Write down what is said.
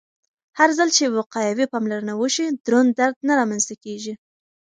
هرځل چې وقایوي پاملرنه وشي، دروند درد نه رامنځته کېږي.